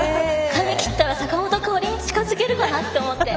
髪切ったら坂本花織に近づけるかなと思って。